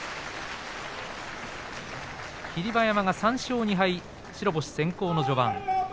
霧馬山が３勝２敗白星先行の序盤。